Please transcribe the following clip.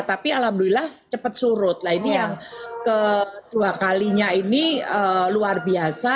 tapi alhamdulillah cepat surut nah ini yang kedua kalinya ini luar biasa